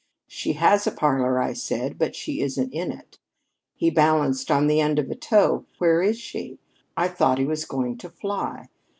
'She has a parlor,' I said, 'but she isn't in it.' He balanced on the end of a toe. 'Where is she?' I thought he was going to fly.